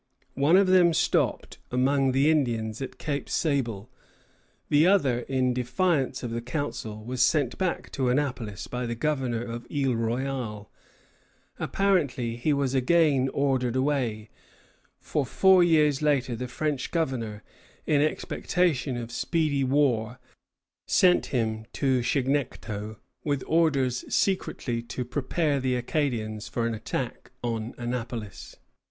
One of them stopped among the Indians at Cape Sable; the other, in defiance of the Council, was sent back to Annapolis by the Governor of Isle Royale. Apparently he was again ordered away; for four years later the French governor, in expectation of speedy war, sent him to Chignecto with orders secretly to prepare the Acadians for an attack on Annapolis.